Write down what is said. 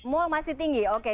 mall masih tinggi oke